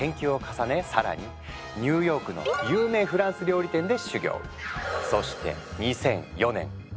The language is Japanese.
更にニューヨークの有名フランス料理店で修業。